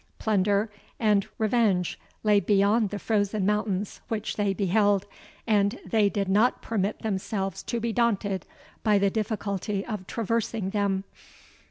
Plunder and revenge lay beyond the frozen mountains which they beheld, and they did not permit themselves to be daunted by the difficulty of traversing them.